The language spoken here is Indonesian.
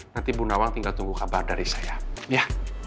nanti bunawang tinggal tunggu kabar dari saya ya